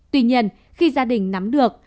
tuy nhiên khi gia đình nắm được